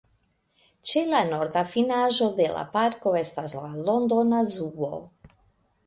Ĉe la norda finaĵo de la parko estas la Londona Zoo.